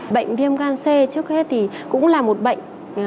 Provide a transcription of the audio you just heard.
bệnh viêm gan c trước hết thì cũng là một bệnh